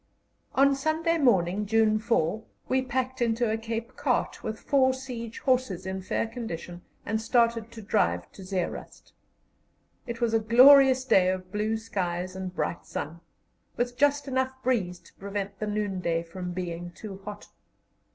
On Sunday morning, June 4, we packed into a Cape cart, with four siege horses in fair condition, and started to drive to Zeerust. It was a glorious day of blue skies and bright sun, with just enough breeze to prevent the noonday from being too hot.